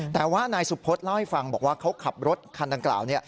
แต่ว่านายสุพธเล่าให้ฟังบอกว่าเขาขับรถคันดังกล่าว